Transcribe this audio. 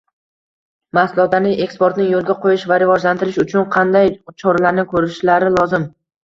mahsulotlarni eksportini yo’lga qo’yish va rivojlantirish uchun qanday choralarni ko’rishlari lozim?